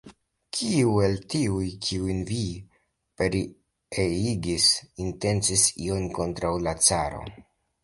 Kiu el tiuj, kiujn vi pereigis, intencis ion kontraŭ la caro?